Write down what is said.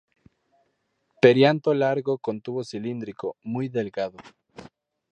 Perianto largo con tubo cilíndrico, muy delgado.